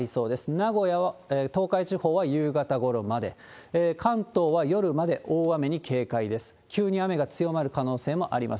名古屋は、東海地方は夕方ごろまで、関東は夜まで大雨に警戒です。